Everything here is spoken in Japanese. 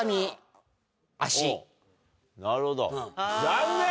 残念！